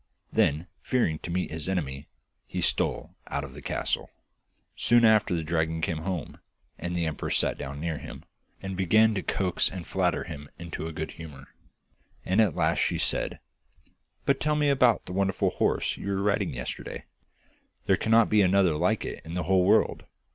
Then, fearing to meet his enemy, he stole out of the castle. Soon after the dragon came home, and the empress sat down near him, and began to coax and flatter him into a good humour, and at last she said: 'But tell me about that wonderful horse you were riding yesterday. There cannot be another like it in the whole world.